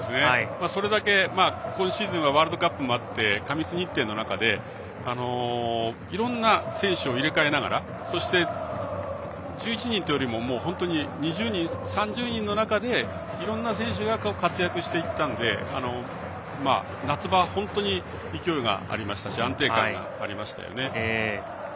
それだけ今シーズンはワールドカップもあって過密日程の中で、いろんな選手を入れ替えながらそして１１人というよりも本当に２０人、３０人の中でいろんな選手が活躍していったんで夏場、本当に勢いが本当にありましたし安定感がありましたよね。